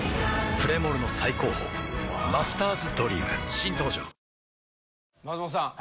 プレモルの最高峰「マスターズドリーム」新登場ワオ松本さん